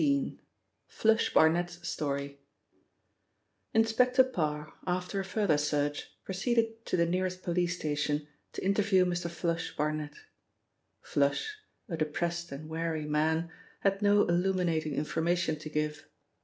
— 'FLUSH' BARNET'S STORY INSPECTOR PARR, after a further search, proceeded to the nearest police station to interview Mr. 'Flush' Barnet. 'Flush', a depressed and weary man, had no illuminating information to give.